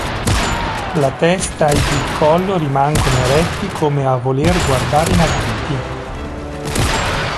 La testa ed il collo rimangono eretti come a voler guardare in avanti.